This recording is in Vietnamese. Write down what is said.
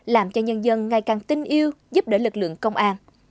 làm cho nhân dân ngày càng tinh yêu giúp đỡ lực lượng công an